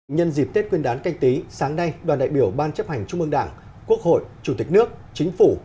nhân dịp tết nguyên đán canh tí sáng nay đoàn đại biểu ban chấp hành trung ương đảng quốc hội chủ tịch nước chính phủ